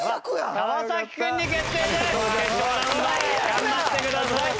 頑張ってください。